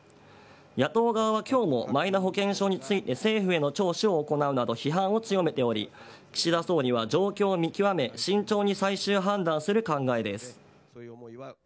野党側はきょうもマイナ保険証について政府への聴取を行うなど、批判を強めており、岸田総理は状況を見極め、慎重に最終判断する考えです。